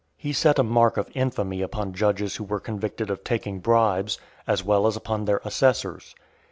He set a mark of infamy upon judges who were convicted of taking bribes, as well as upon their assessors.